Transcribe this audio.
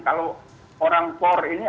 kalau orang kor ini